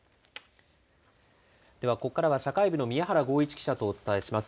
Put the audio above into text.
ではここからは社会部の宮原豪一記者とお伝えします。